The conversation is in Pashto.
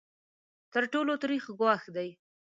تر ټولو تریخ ګواښ دی.